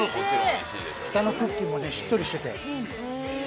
下のクッキーもしっとりしてて。